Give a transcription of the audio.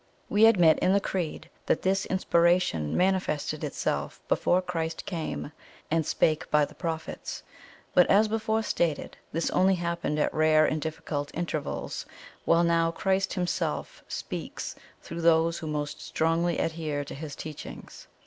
We admit in the Creed that this inspiration manifested itself before Christ came and 'SPAKE BY THE PROPHETS;' but, as before stated, this only happened at rare and difficult intervals, while now Christ Himself speaks through those who most strongly adhere to His teachings.